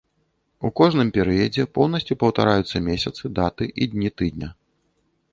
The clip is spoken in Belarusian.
У кожным перыядзе поўнасцю паўтараюцца месяцы, даты і дні тыдня.